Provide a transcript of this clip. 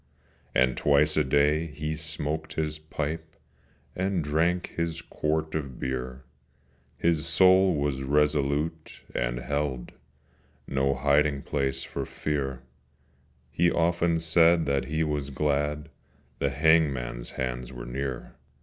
And twice a day he smoked his pipe, And drank his quart of beer: His soul was resolute, and held No hiding place for fear; He often said that he was glad The hangman's hands were near.